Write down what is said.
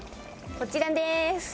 こちらでーす！